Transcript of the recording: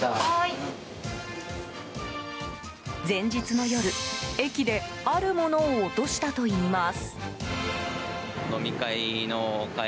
前日の夜、駅であるものを落としたといいます。